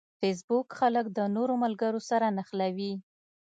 فېسبوک خلک د نوو ملګرو سره نښلوي